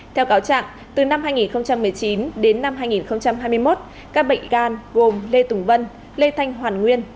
theo cáo trạng từ năm hai nghìn một mươi chín đến năm hai nghìn hai mươi một các bệnh gan gồm lê tùng vân lê thanh hoàn nguyên